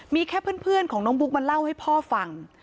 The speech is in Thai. มีแค่เพื่อนของน้องบุ๊กมาเล่าให้พ่อฟัง